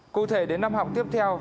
cụ thể đến năm học tiếp theo